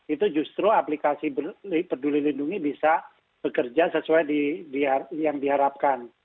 itu justru aplikasi peduli lindungi bisa bekerja sesuai yang diharapkan